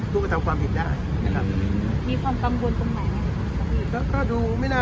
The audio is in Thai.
พวกมันทำความผิดได้